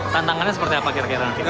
tentangannya seperti apa kira kira pak